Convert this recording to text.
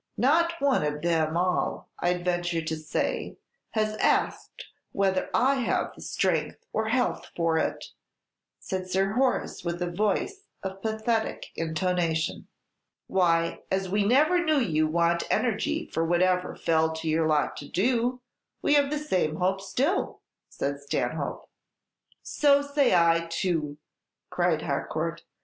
"Not one of them all, I'd venture to say, has asked whether I have the strength or health for it," said Sir Horace, with a voice of pathetic intonation. "Why, as we never knew you want energy for whatever fell to your lot to do, we have the same hope still," said Stanhope. "So say I too," cried Harcourt.